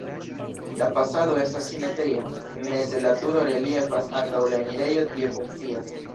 La fasado estas simetria, meze la turo reliefas, ankaŭ la enirejo tie funkcias.